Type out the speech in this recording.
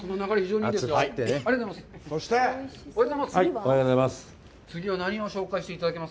おはようございます。